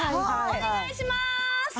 お願いしまーす！